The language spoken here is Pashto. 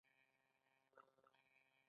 دا چوکۍ راحته ده.